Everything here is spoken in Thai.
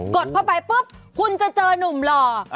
ดเข้าไปปุ๊บคุณจะเจอนุ่มหล่อ